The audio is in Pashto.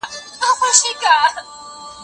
پیاله له لاسه لویږي واصله په نشه کي